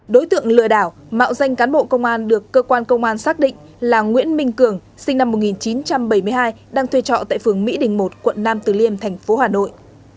đối tượng lừa đảo mạo danh cán bộ công an được cơ quan công an xác định là nguyễn minh cường sinh năm một nghìn chín trăm bảy mươi hai đang thuê trọ tại phường mỹ đình một quận nam từ liêm thành phố hà nội